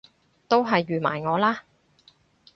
都係預埋我啦！